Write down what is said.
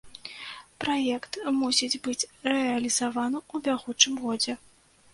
Праект мусіць быць рэалізаваны ў бягучым годзе.